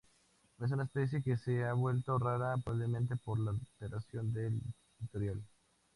Es una especie que se ha vuelto rara, probablemente por la alteración del litoral.